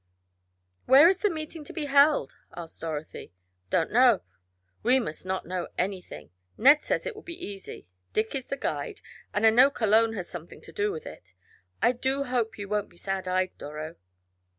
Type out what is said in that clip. "Where is the meeting to be held?" asked Dorothy. "Don't know we must not know anything. Ned says it will be easy. Dick is the guide, and I know Cologne has something to do with it. I do hope you won't be sad eyed, Doro."